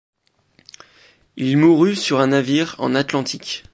Il mourut sur un navire en Atlantique.